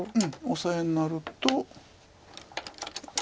オサエになると。